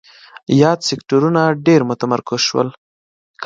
یاد سکتورونه ډېر متمرکز شول.